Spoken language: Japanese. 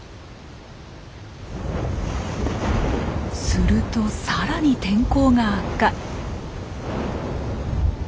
するとさらに天候が悪化。